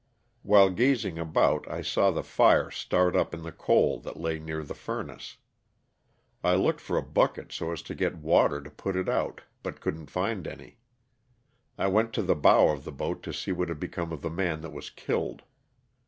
While gazing about I saw the fire start up in the coal that lay near the furnace. I looked for a bucket so as to get water to put it out, but couldn't find any. I went to the bow of the boat to see what had become of the man that was killed.